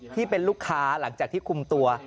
ที่เป็นลูกค้าหลังจากที่คุมตัว